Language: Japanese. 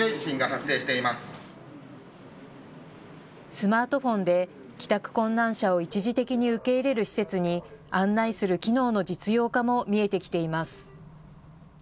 スマートフォンで帰宅困難者を一時的に受け入れる施設に案内する機能の実用化も見えてきています。